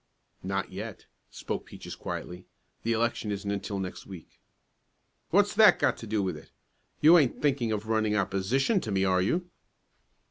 "Not yet," spoke Peaches quietly. "The election isn't until next week." "What's that got to do with it? You ain't thinking of running opposition to me; are you?"